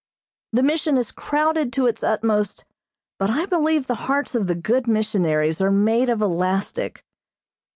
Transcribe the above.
The Mission is crowded to its utmost, but I believe the hearts of the good missionaries are made of elastic.